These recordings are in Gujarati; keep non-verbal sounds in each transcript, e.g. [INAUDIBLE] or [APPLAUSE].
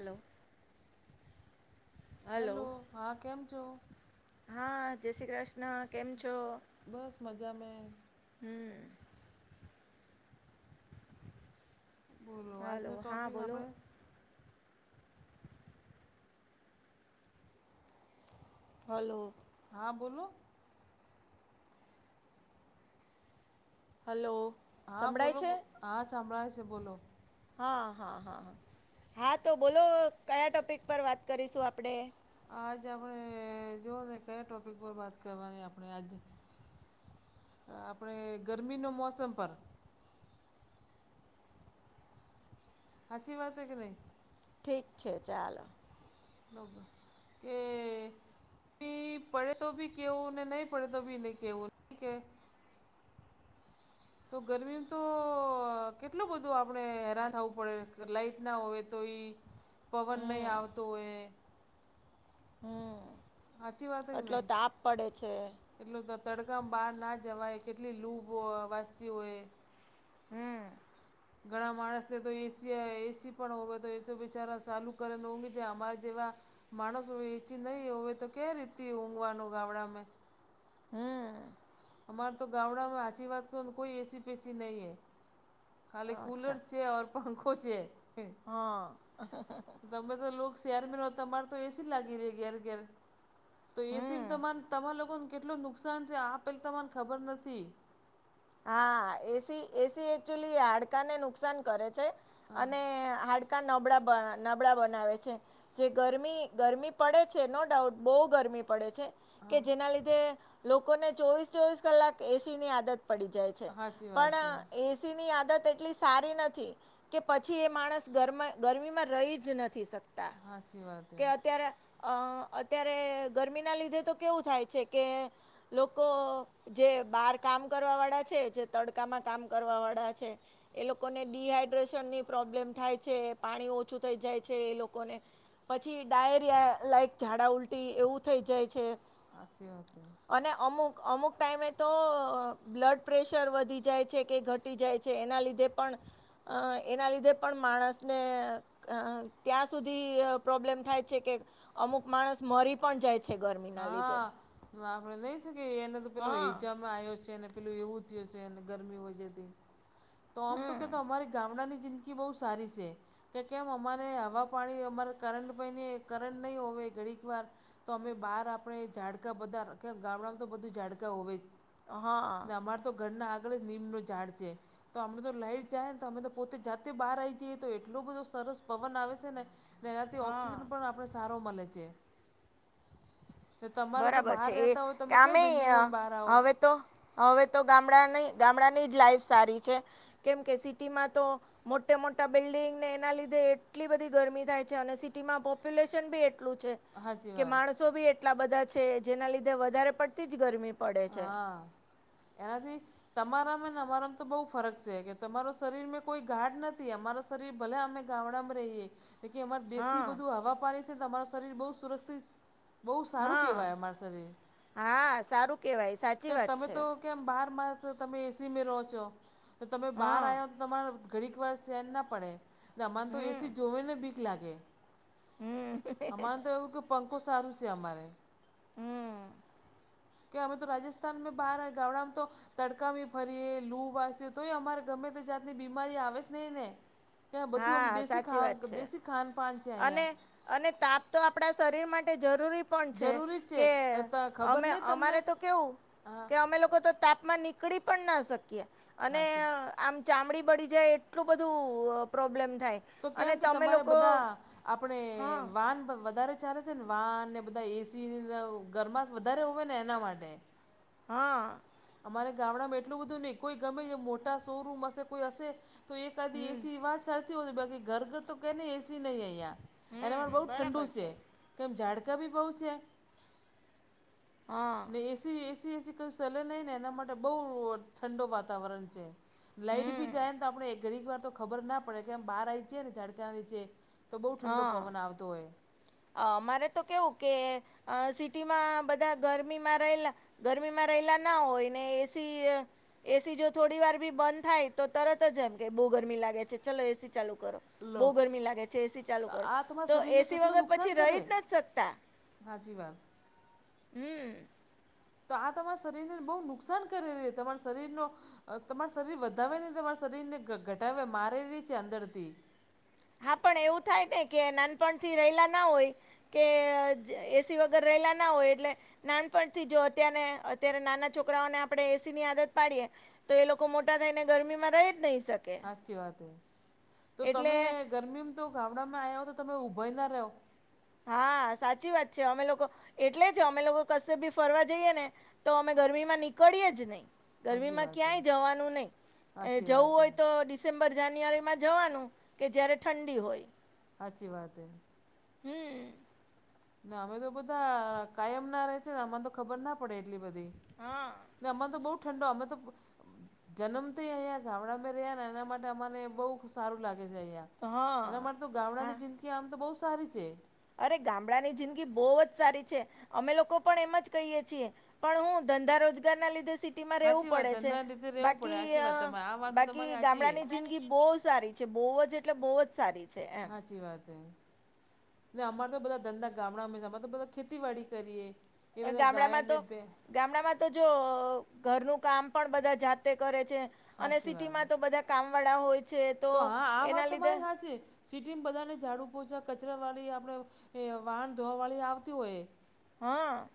હાલો. હેલો હા. કેમ છો? હા, જય શ્રી કૃષ્ણ. કેમ છો? બસ મજા મે. હમ્મ. બોલો હલો આજનો હા ટોપિક બોલો આપડે હાલો. હા, બોલો. હાલો. હા બોલો, હા સાંભળાય છે બોલો. હા, હા તો બોલો કયા ટોપિક પર વાત કરીશું આપણે? આજ આપણે જોવા દે કયા ટોપિક પર બાત કરવાની આપણે આજે. આપણે ગરમી નો મોસમ પર. હાચી વાત હે કે નય. ઠીક છે ચાલ. હા, કે ઈ પડે તો ભી કેવું ને નહી પડે તો કેવું ન કે. તો ગરમી તો કેટલું બધું આપણે હેરાન થવું પડે લાાઈટ ના હોય તો ઈ. પવન નહીં આવતો હોય. હમ્મ, એટલો તાપ પડે છે. કેટલું તડકામાં બહાર ના જવાય કેટલી લૂભ વાચતી હોય. હમ્મ. ઘણા માણસ ને તો એ સી એ સી પણ હોય તો એ બચારા ચાલુ કરે નોમી છે અમારે જેવા માણસ હો એચી નહીં હોય તો કેવી રીત ઊંઘવાનું ગામડામા? હમ્મ. અમારે તો ગાવડામાં હાચી વાત કેવ કોઈ એ સી પેશી નહીં હૈ. ખાલી કૂલર અચ્છા છે અને પંખો છે. હા. તમે તો લોકો શેહેર માં રહો, તમારે તો એસી લાગી રહી ઘેર ઘેર તો એસી હમ તમારા લોકોને કેટલું નુકસાન છે આ પહેલા તમાને ખબર નથી. હા, એસી એસી એકચુલી હાડકા ને નુકસાન કરે છે હા અને હાડ હાડકા નબળા બનાવે છે. જે ગરમી ગરમી પડે છે નો ડાઉટ બહું ગરમી પડે છે કે હા જેના લીધે લોકોને ચોવીસ ચોવીસ કલાક એસી ની આદત પડી જાય છે. સાચી વાત છે પણ એસી ની આદત એટલી સારી નથી કે પછી એ માણસ ગરમા ગરમીમાં રહી જ નથી શકતા. સાચી વાત હે કે અત્યારે અત્યારે ગરમીના લીધે તો કેવું થાય છે કે લોકો જે બહાર ગામ કરવા વાળા છે જે તડકામાં કામ કરવા વાળા છે. એ લોકોને ડીહાઈડ્રેશનની પ્રોબ્લેમ થાય છે, પાણી ઓછું થઈ જાય છે. એ લોકોને પછી ડાયરિયા, ઝાડા ઉલટી એવું થઈ જાય છે. સાચી વાત છે. અને અમુક, અમુક ટાઈમે તો બ્લડ પ્રેશર વધી જાય છે કે ઘટી જાય છે એના લીધે પણ એના લીધે પણ માણસને ત્યાં સુધી પ્રોબ્લેમ થાય છે કે અમુક માણસ મરી પણ જાય છે. ગરમીના લીધે હા [UNINTELLIGIBLE] પેલું હા એવું થયું છે ગરમીથી તો આમ તો હમ કે તો અમારી ગામડાની જિંદગી બહું સારી છે. કે કેમ અમારે હવા, પાણી અમારે કરંટ, કરંટ નહી હોય ઘડીક વાર તો અમે બહાર આપણે ઝાડકા બધા ગામડામાં તો બધું ઝાડકા હોવે જ હા ને તો ઘરના આગળ જ લીમડાનું ઝાડ છે. તો અમે તો લાઈટ જાય ને તો અમે પોતે જાતે બહાર આવી જઈએ તો એટલો બધો સરસ પવન આવે છે ને તેનાથી હા ઓક્સિજન પણ આપણે સારો મળે છે. તો તમારે તો બરાબર બહાર છે, એ રહેતા હોય તમે ક્યાં અમે બિલ્ડિંગોમાં બહાર આવો હવે તો હવે તો ગામડાની, ગામડાની જ લાઈફ સારી છે કેમ કે સિટીમાં તો મોટે મોટા બિલ્ડિંગને એના લીધે એટલી બધી ગરમી થાય છે અને સિટીમાં પોપ્યુલેશન પણ એટલું છે. હાચી કે વાત માણસો પણ એટલા બધા છે. જેના લીધે વધારે પડતી જ ગરમી પડે છે હા, એનાથી તમારામાં અને અમારા તો બહુ ફરક છે કે તમારો શરીર મે કોઈ ગાઢ નથી, અમારો શરીર ભલે અમે ગામડામાં રહીએ તો કે અમારે દેશી હા બધું હવા પાણી. છે અમારો શરીર બહું સુરક્ષિત બહુ સારું હા કહેવાય અમારુ શરીર. હા, સારું કહેવાય સાચી કે વાત તમે છે તો કેમ બહાર માસણ તમે એસીમાં રહો છો તમે બહાર હા આવ્યા તમારે ઘડીક વખત ચેન ના પડે અમારે તો હમ એસી જોવેને બીક લાગે. હમ અમારે તો એવું કે પંખો સારું છે અમારે. હમ્મ. કે અમે તો રાજસ્થાનમાં બહાર આવે, ગામડામાં તો તડકામી ફરીએ લૂ [UNINTELLIGIBLE] તો એ અમારે ગમે તે જાતની બીમારી આવે જ નહી ને. કે બધુંમ હા દેશી સાચી વાત ખાવાનું છે દેશી ખાન પાાન છે અહિયાં. અને અને તાપ તો આપણા શરીર માટે જરૂરી. પણ છે, જરૂરી જ કે છે ખબર અમે નહીં તમને અમારે તો કેવું હા કે અમે લોકો તો તાપમા. નીકડી પણ ના શક્યે, અને. હાચી આમ ચામડી બડી જાય એટલું બધું પ્રોબ્લેમ થાય. તો કેમ અને કે તમે તમારે લોકો બધા આપણે હા વાન વધારે. ચાલે છે ને વાન ને બધા એસી ગરમાસ વધારે હોય ને એના માટે. હા. અમારે ગામડામાં એટલું બધું નહીં, કોઈ ગમે ઈ મોટા શોરૂમ હશે કોઈ હશે. તો એક આધી હમ એસી વાત સરતી હો, બાકી ઘર ઘર તો ક ને એસી નહી અહંયા. એનામાં હમ બહુ ઠંડુ બરાબર છે, કેમ ઝાડકા બી બહુ છે. હા ને એસી, એસી, એસી કોઈ સલ નહી. ને એના માટે બઉ ઠંડો વાતાવરણ છે, લાઈટ હમ બી જાય ને તો આપણે. ઘણીક વાર તો ખબર ના પડે કે આમ બહાર આવી જય ને ઝાડખા નીચે તો બહુ ઠંડો હા પવન આવતો હોય. અમારે તો કેવું કે અ સિટીમાં બધા ગરમીમાં રહેલા. ગરમીમાં રહેલા ના હોય ને એસી. એસી જો થોડી વાર બી બંધ થાય તો, તરત જ એમ કે બહુ ગરમી લાગે છે ચલો એસી ચાલુ કરો. બઉ લો ગરમી લાગે છે એસી ચાલુ તો કરો, આ તમારા તો શરીરને એસી કેટલું વગર. પછી નુકસાન રહી કરે જ નથી શકતા, સાચી વાત હમ્મ. તો આ તમારા શરીરને બહુ નુકસાન કરેલી, તમારા શરીરનો. અ તમાર શરીર વધાવે ને, તમારા શરીર ને ઘટાવે મારેલી છે અંદરથી. હા પણ એવું થાય ને કે નાનપણથી રહેલા ના હોય. કે એસી વગર રહેલા ના હોય એટલે. નાનપણથી જો અત્યાને અત્યારે નાના છોકરાઓને આપણે એસીની આદત પાડીએ. તો એ લોકો મોટા થઈને ગરમીમાં રહી જ નહી શકે. હાચી વાત એ, તો તમે એટલે ગરમીમાં તો ગામડામાં આવ્યા હો તો તમે ઊભાય ના રહો. હા સાચી વાત છે, અમે લોકો એટલે જ અમે લોકો કશે બી ફરવા જઈએે ને. તો અમે ગરમીમાં નીકળીએે જ નય. સાચી ગરમીમાં વાત એ ક્યાંય જવાનું નહી અને સાચી જવું વાત એ હોય તો. ડિસેમ્બર, જાન્યુઆરીમાં જવાનું કે જયારે ઠંડી હોય. હાચી વાત હૈ. હમ્મ. ના અમે તો બધા કાયમના રહે છે, અમન તો ખબર ના પડે એટલી બધી. હા. ને અમાં તો બહુ ઠંડો, અમે તો. જનમથી અહંયા ગામડામાં રહ્યાને એના માટે અમાને બઉ સારું લાગે છે અહંયા. એના હા માટે શું ગામડાની હા જિંદગી આમ તો બહુ સારી છે. અરે ગામડાની જિંદગી બહુ જ સારી છે, અમે લોકો પણ એમ જ કહીએ છીએ. પણ હું ધંધા રોજગારના લીધે સી ટીમાં રેવું સાચી વાત પડે છે, ધંધા રીતે રહેવું પડે બાકી સાચી અ વાત તમારે આ વાત તો બાકી તમારી સાચી ગામડાની એ. જિંદ ગી બહુ સારી છે, બહુ જ એટલે બહુ જ સારી. છે એમ હાચી વાત હૈ. ને અમારો તો બધા ધંધા [UNINTELLIGIBLE] અમારે તો બધા ખેતીવાડી કરીએ. એ અ બધા ગાય ગામડામાં તો. ને બે ગામડામાં તો જો ઘરનું કામ પણ બધા જાતે કરે છે. અને સાચી વાત સિટીમાં તો બધા કામ વાળા હોય તો હા આ એના વાત તો લીધે મારી હાચી સિટીમાં બધાને ઝાડુ પોંચા કચરા વાળી આપણે વાહણ ધોવા વાળી આવતી હોય હ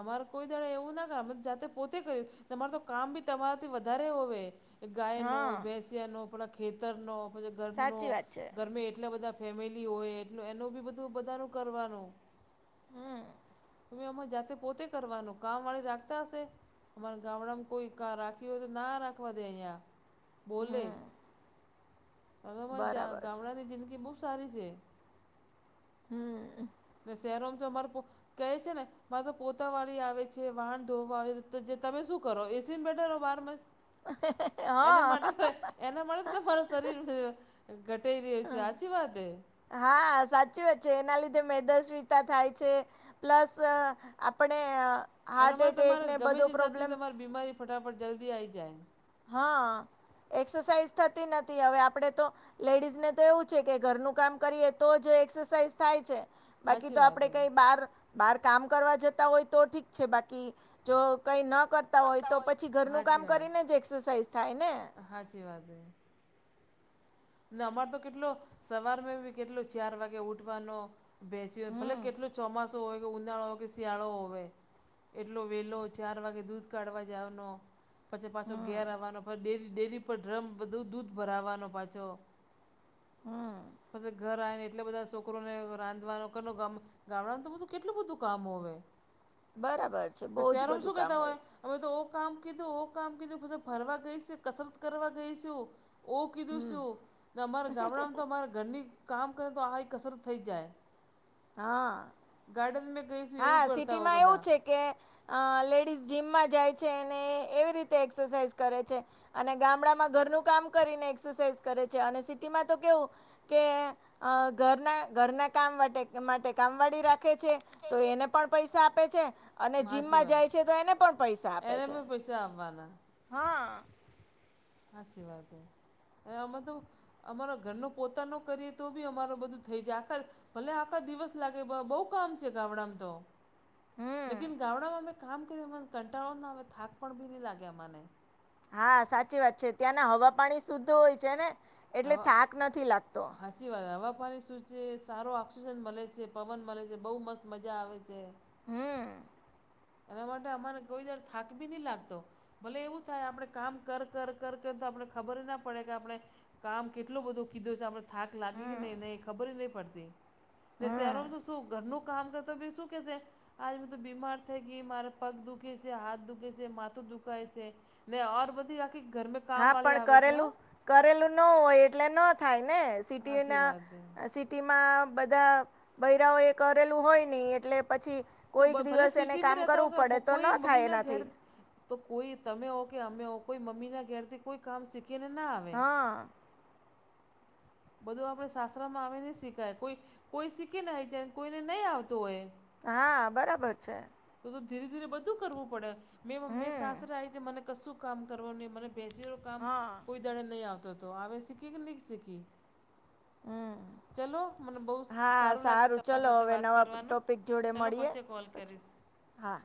અમારે કોઈ દાડે એવું ના કર જાતે પોતે કરીયું તમાર તો કામ બી તમારાથી વધારે હોવે એ ગાયનો હા ભેંસ્યાનો પેલા ખેતરનો પછી ઘરનો સાચી વાત છે ઘરમે એટલા બધા ફેમિલી હોય એટલ એનું બી બધું બધાનું કરવાનું હમ્મ. તમે આમા જાતે પોતે કરવાનું કામ વાળી રાખતા હશે. અમારા ગામડામાં કોઈ કા રાખી હોય તો ના રાખવા દે અહીંયા બોલે હમ હવે અમારી જા બરાબર છે ગામડાની જિંદગી બહુ સારી સે હમ્મ. ને શહેરો માં જો મારે કોક કહે છે ને મારે તો પોતા વાળી આવે છે વાહણ ધો આવે તમે શું કરો એસી બેઠાર બારો માહિસ એના હા માટે એના માટે તો તમારું શરીર ઘટેરીયે છે સાચી વાતે હા સાચી વાત છે એના લીધે મેદસવિતા થાય છે. પ્લસ આપણે આ એનામાં તમારે ગમે તે જાતની તમારી બીમારી ફટાફટ જલ્દી આવી જાય હા એક્સરસાઇઝ થતી નથી હવે આપડે તો લેડીઝ ને તો એવું છે કે ઘરનું કામ કરીએ તો જ એક્સરસાઇઝ થાય છે. બાકી સાચી તો વાત આપણે હે કઈ બાર બાર કામ કરવા જતા હોય તો ઠીક છે બાકી જો કઈ ન કર તા હોય તો પછી ઘરનું કામ સાચી કરીને વાત જ એક્સરસાઇઝ થાય ને સાચી વાત હે ને અમારે તો કેટલો સવાર મે બી કેટલો ચાર વાગે ઉઠવાનો બેસીયો ભલે હમ કેટલુ જ ચોમાસુ હોય કે ઉનાળો હોય કે શિયાળો હોય એટલો વેલો ચાર વાગે દૂધ કાઢવા જાવાનો પછી પાછો હમ ઘેર આવાનો ડેરી ડેરી પર ડ્રમ બધું દૂધ ભરાવાનો પાછો હમ પછી ઘર આઈ એટલા બધા છોકરોને રાંધવાનો ઘર નું કામ ગામડા માં તો કેટલું બધું કામ હોવે બરાબર છે બહુ જ શહેરો માં બધું શું કેતા કામ હોય. અમે તો ઓ કામ કીધું ઓ કામ કીધું પછી ફરવા ગઈ છે કસરત કરવા ગઈશું ઓ કીધું શું અમારા ગામડામાં તો અમારા ઘરની કામ કરે તો આય કસરત થઈ જાય. હા. ગાર્ડન મેં ગઈ છું એવું હા કરતા સિટી હો માં એવું બધા છે કે અ લેડીઝ જીમમાં જાય છે અને એવી રીતે એક્સરસાઇઝ કરે છે. અને ગામડામાં ઘરનું કામ કરીને એક્સરસાઇઝ કરે છે અને સિટીમાં તો કેવુ કે ઘરના ઘરના કામ માટે માટે કામવાળી રાખે છે. તો એને પણ પૈસા આપે છે. અને સાચી જીમમાં વાત જાય છે તો એને પણ પૈસા આપે એને છે પણ પૈસા આપવાના હા. સાચી વાત હે અ બધુ અમારા ઘરનો પોતાનો કરી તોબી અમાર બધું થઈ જાય આખા ભલે આખા દિવસ લાગે બહુ કામ છે, ગામડામ તો હમ લેકીન ગામડામાં અમે કામ કર્યું એને કંટાળો ના આવે થાક પણ ભી નહીં લાગે મને, હા સાચીવાત છે, ત્યાંના હવા પાણી શુદ્ધ હોય છે, ને એટલે થાક નથી લાગતો. સાચીવાત હવા પાાણી શુદ્ધ છે, સારો ઓક્સિજન મળે છે, પવન મળે છે, બહુ મસ્ત મજા આવે છે. હું, એના માટે અમારે કોઈ દર થાક ભી નહીં લાગતો, ભલે એવું થાય આપણે કામ કર, કર, કર, કર તો આપને ખબરના પડે કે આપણે. કામ કેટલો બધો કીધું છે, આપ. થાક લાગી કે હમ નહીં ન ખબર ન પડતી કે હમ શિયાળામાં માં શું, નું કામ કરતો ભી શુંકે છે, આજ હુંતો બીમાર. મારા પગ દુખે છે, હાથ દુખે છે, માથું દુખાય છે, ને ઓર બધી આખી ઘરમેળે. હા પણ કરેલું, કરેલું ન હોય એટલે ન થાય ને સાચી સિટીના સીટ, વાત હે સિટીમાં બધા બૈરાઓ એ કરેલું હોય નહી એટલે પછી, તો કોઈક ભલે દિવસ એને કામ સિટીમાં રહેતા હો કરવું પડે કે તોન કોઈ થાય મમ્મીના ઘેર એનાથી, તો કોઈ તમે હો કે, અમે હો, કોઈ મમ્મીના ઘેરથી કોઈ કામ શીખીનેના આવે. હા બધું આપણે સાસરામાં આવે શીખાય,. કોઈ કોઈ શીખી નાય, કોઈને નહી આવતું હોય. હા, બરાબર છે. તો તો ધીરે ધીરે બધું કરવું પડે. મેં, મેં હમ સાસરે આવી મને, કશું કામ કરવા ન મને બેસી કામ હા કોઈ દાડે નહી આવતો હતો. હવે શીખી કે નહીં શીખી. હું. ચલો મને બહુ હા, લાગ્યું સારું તમારી ચલો સાથે હવે વાત નવા કરવાનું ટોપિક જોડે ચલો મળીયે પછી કોલ પછી, કરીશ હા.